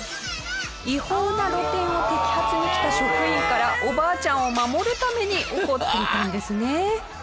違法な露店を摘発に来た職員からおばあちゃんを守るために怒っていたんですね。